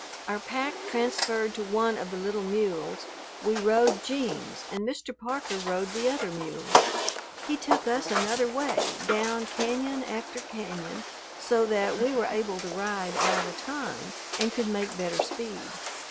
Our pack transferred to one of the little mules, we rode "Jeems," and Mr. Parker rode the other mule. He took us another way, down cañon after cañon, so that we were able to ride all the time and could make better speed.